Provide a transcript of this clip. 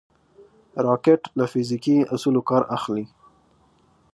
راکټ له فزیکي اصولو کار اخلي